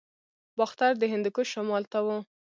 باختر د هندوکش شمال ته و